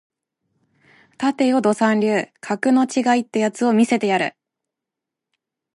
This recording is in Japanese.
立てよド三流格の違いってやつを見せてやる